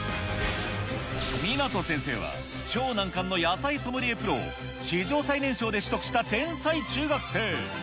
湊先生は超難関の野菜ソムリエプロを史上最年少で取得した天才中学生。